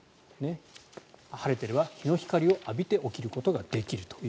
晴れてれば日の光を浴びて起きることができると。